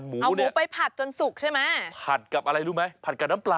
หมูเอาหมูไปผัดจนสุกใช่ไหมผัดกับอะไรรู้ไหมผัดกับน้ำปลา